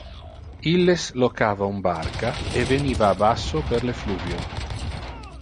Illes locava un barca e veniva a basso per le fluvio.